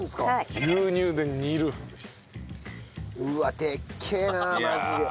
うわっでっけえなマジで。